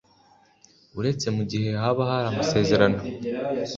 Uretse mu gihe haba hari amasezerano